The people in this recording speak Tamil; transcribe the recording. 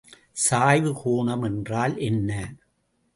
சாய்வுக் கோணம் என்றால் என்ன?